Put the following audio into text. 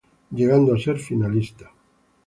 Llegando a ser finalista.